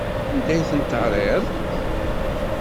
Anda ay ten-terriḍ?